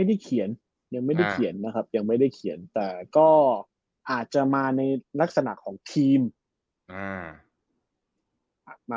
อีพีหน้ายังไม่ได้เขียนแต่ก็อาจจะมาในลักษณะของทีม